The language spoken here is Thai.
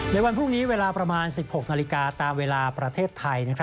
ในวันพรุ่งนี้เวลาประมาณ๑๖นาฬิกาตามเวลาประเทศไทย